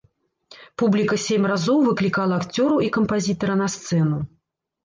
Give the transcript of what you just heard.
Публіка сем разоў выклікала акцёраў і кампазітара на сцэну.